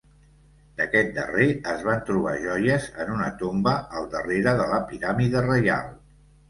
D'aquest darrer, es van trobar joies en una tomba al darrere de la piràmide reial.